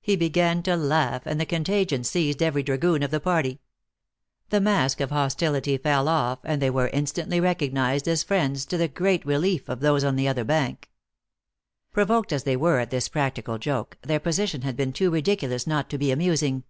He began to laugh, and the contagion seized every dragoon of the party. The mask of hostility fell off, and they were instantly re THE ACTRESS IN HIGH LIFE. 305 cognized as friends, to the great relief of those on the other bank. Provoked as they were at this practical joke, their position had been too ridiculous not to be amusing.